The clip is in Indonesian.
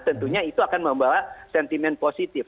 tentunya itu akan membawa sentimen positif